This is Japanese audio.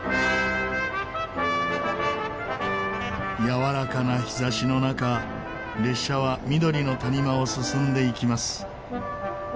やわらかな日差しの中列車は緑の谷間を進んでいきます。